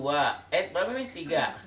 eh berapa ini tiga